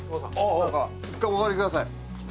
１回お入りください。